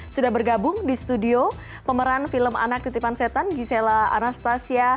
sudah bergabung di studio pemeran film anak titipan setan gisela anastasia